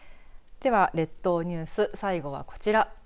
では列島ニュース最後はこちら。